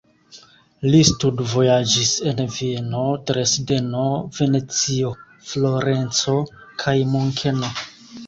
Li studvojaĝis en Vieno, Dresdeno, Venecio, Florenco kaj Munkeno.